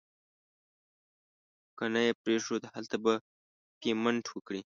که نه یې پرېښود هلته به پیمنټ وکړي.